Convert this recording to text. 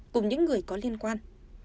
cùng những người có liên quan